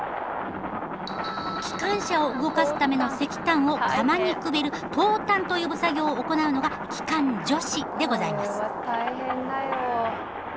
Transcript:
機関車を動かすための石炭を窯にくべる投炭と呼ぶ作業を行うのが機関助士でございます。